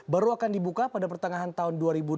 baru akan dibuka pada pertengahan tahun dua ribu dua puluh